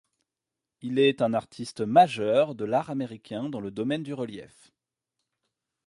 Il est un artiste majeur de l'art américain dans le domaine du relief.